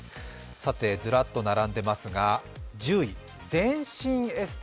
さて、ずらっと並んでますが、１０位、全身エステ。